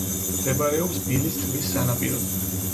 მდებარეობს ბილის ტბის სანაპიროზე.